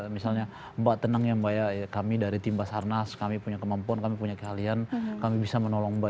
misalnya mbak tenang ya mbak ya kami dari tim basarnas kami punya kemampuan kami punya keahlian kami bisa menolong mbak